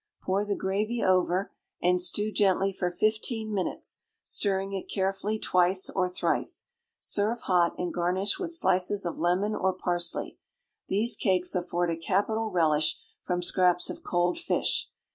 Pour the gravy over, and stew gently for fifteen minutes, stirring it carefully twice or thrice. Serve hot, and garnish with slices of lemon, or parsley. These cakes aiford a capital relish from scraps of cold fish.